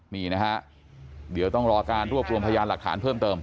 นี่นะฮะเดี๋ยวต้องรอการรวบรวมพยานหลักฐานเพิ่มเติม